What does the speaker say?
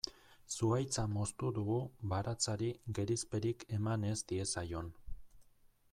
Zuhaitza moztu dugu baratzari gerizperik eman ez diezaion.